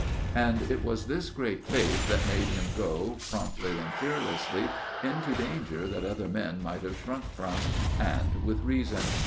And it was this great faith that made him go, promptly and fearlessly, into danger that other men might have shrunk from, and with reason.